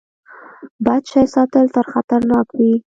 بد شی ساتل تل خطرناک وي.